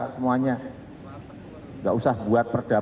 saya udah sampai